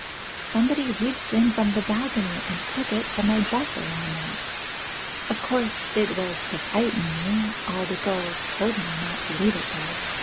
Somebody reached in from the balcony and took it from my dresser in the night. Of course, it was to frighten me; all of the girls told me not to leave it there.